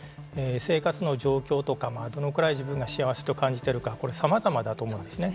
生活の状況とかどのくらい自分が幸せと感じているかこれはさまざまだと思うんですよね。